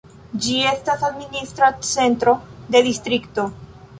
Ĝi estas administra centro de distrikto.